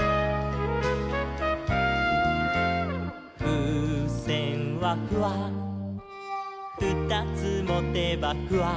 「ふうせんはフワふたつもてばフワ」